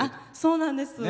そうなんです。